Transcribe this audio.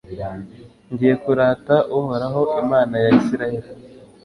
ngiye kurata uhoraho, imana ya israheli